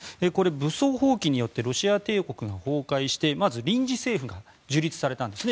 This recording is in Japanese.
武装蜂起によってロシア帝国が崩壊して、まず臨時政府が樹立されたんですね。